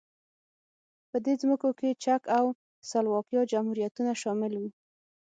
په دې ځمکو کې چک او سلواکیا جمهوریتونه شامل وو.